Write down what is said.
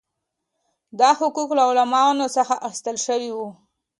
دا حقوق له غلامانو څخه اخیستل شوي وو.